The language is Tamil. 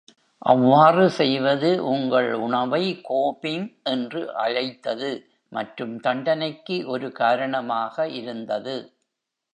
அவ்வாறு செய்வது உங்கள் உணவை "கோபிங்" என்று அழைத்தது மற்றும் தண்டனைக்கு ஒரு காரணமாக இருந்தது.